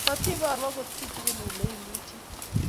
matiboru agot kitegen ile imuchi